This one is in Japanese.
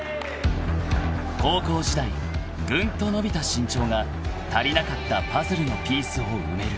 ［高校時代ぐんと伸びた身長が足りなかったパズルのピースを埋める］